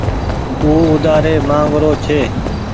او اوڍآري مآنگ رو ڇي۔